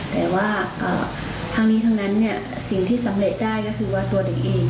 แต่ว่าทั้งนี้ทั้งนั้นสิ่งที่สำเร็จได้ก็คือว่าตัวเด็กเอง